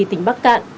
tỉnh bắc cạn